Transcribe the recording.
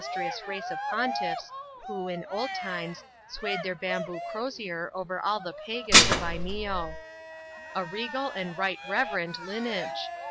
2«S illastrious race of pontiffs who, in old times, swayed their bamboo crosier over all the pagans of Imeeo. A regal and right reverend lineage